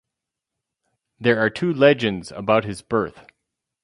There are two legends about his birth.